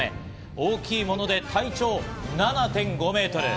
大きいもので体長７．５メートル。